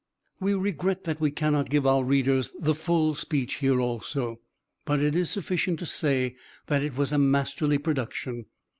We regret that we cannot give our readers the full speech here also, but it is sufficient to say that it was a masterly production.